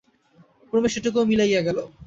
ক্রমে সেটুকুও মিলাইয়া গেল।